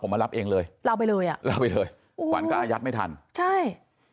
มารับเองเลยลาไปเลยอ่ะเล่าไปเลยขวัญก็อายัดไม่ทันใช่